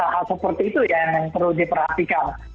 hal seperti itu yang perlu diperhatikan